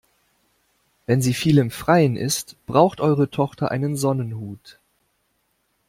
Wenn sie viel im Freien ist, braucht eure Tochter einen Sonnenhut.